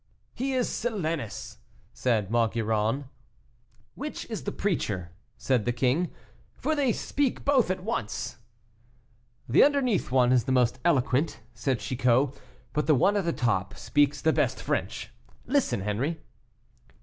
"He is Silenus," said Maugiron. "Which is the preacher?" said the king, "for they speak both at once." "The underneath one is the most eloquent," said Chicot, "but the one at the top speaks the best French; listen, Henri."